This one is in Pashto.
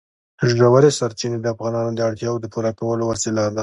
ژورې سرچینې د افغانانو د اړتیاوو د پوره کولو وسیله ده.